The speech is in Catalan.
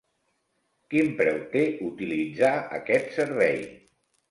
Quin preu té utilitzar aquest servei?